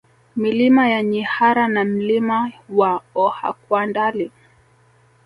Milima ya Nyihara na Mlima wa Ohakwandali